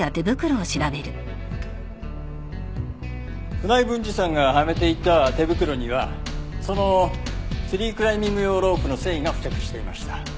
船井文治さんがはめていた手袋にはそのツリークライミング用ロープの繊維が付着していました。